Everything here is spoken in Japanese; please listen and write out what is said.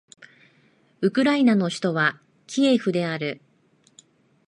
ウクライナの首都はキエフである